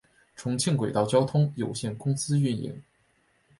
重庆轨道交通有限公司运营。